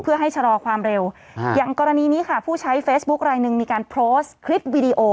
เพื่อให้ชะลอความเร็วอย่างกรณีนี้ค่ะผู้ใช้เฟซบุ๊คลายหนึ่งมีการโพสต์คลิปวิดีโอ